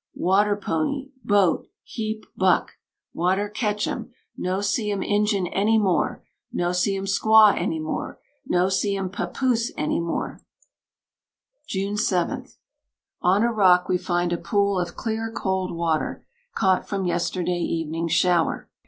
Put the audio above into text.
water pony (boat) h e a p buck; water catch 'em; no see 'em Injun any more! no see 'em squaw any more! no see 'em pappoose any more!' "June 7. On a rock we find a pool of clear, cold water, caught from yesterday evening's shower.